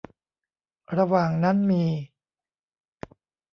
ระหว่างนั้นมี